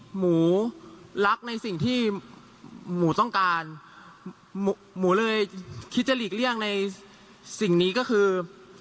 หมูรักในสิ่งที่หมูต้องการหมูเลยคิดจะหลีกเลี่ยงในสิ่งนี้ก็คือ